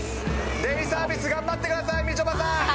デイサービス、頑張ってください、みちょぱさん。